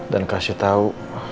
dan kasih tau